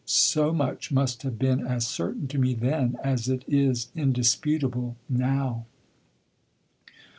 So much must have been as certain to me then as it is indisputable now.